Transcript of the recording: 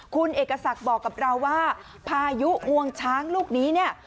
คุณเอกศักดิ์บอกกับเราว่าพายุงวงช้างลูกนี้เนี่ย